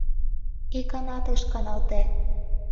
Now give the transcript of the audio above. Иканат ыш каналте.